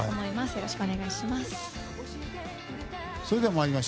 よろしくお願いします。